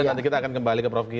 nanti kita akan kembali ke pro pki